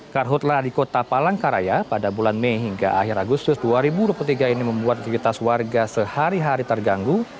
karhutlah di kota palangkaraya pada bulan mei hingga akhir agustus dua ribu dua puluh tiga ini membuat aktivitas warga sehari hari terganggu